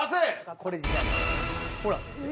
ほら。